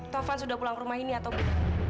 taufan sudah pulang rumah ini atau